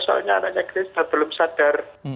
soalnya anaknya kritis dan belum sadar